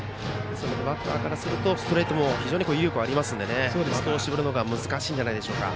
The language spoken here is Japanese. バッターからするとストレートも威力があるので的を絞るのが難しいんじゃないでしょうか。